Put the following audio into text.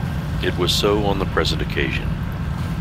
It was so on the present occasion.